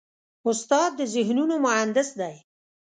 استاد د ذهنونو مهندس دی.